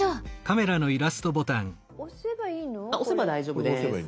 押せば大丈夫です。